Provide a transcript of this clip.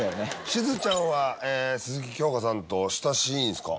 しずちゃんは鈴木京香さんと親しいんすか？